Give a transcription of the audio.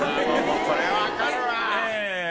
これはわかるわ。